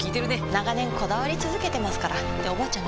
長年こだわり続けてますからっておばあちゃん